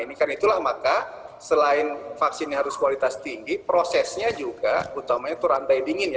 ini kan itulah maka selain vaksinnya harus kualitas tinggi prosesnya juga utamanya itu rantai dingin ya